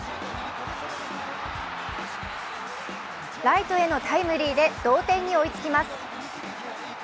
ライトへのタイムリーで同点に追いつきます。